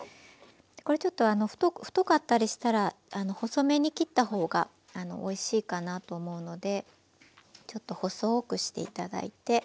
これちょっと太かったりしたら細めに切ったほうがおいしいかなと思うのでちょっと細くして頂いて。